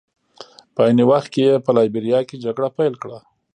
په عین وخت کې یې په لایبیریا کې جګړه پیل کړه.